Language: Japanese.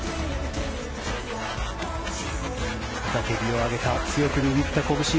雄たけびを上げた強く握ったこぶし。